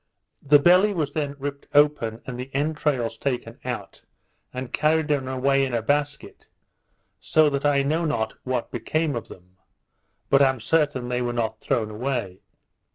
The belly was then ripped open, and the entrails taken out, and carried away in a basket, so that I know not what became of them; but am certain they were not thrown away.